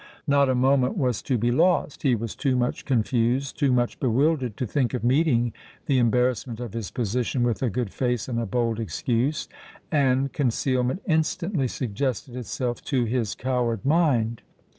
Not a moment was to be lost. He was too much confused—too much bewildered to think of meeting the embarrassment of his position with a good face and a bold excuse: and concealment instantly suggested itself to his coward mind.